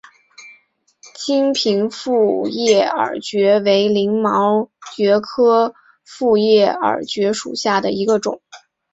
金平复叶耳蕨为鳞毛蕨科复叶耳蕨属下的一个种。